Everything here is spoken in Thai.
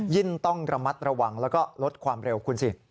ต้องระมัดระวังแล้วก็ลดความเร็วคุณสิ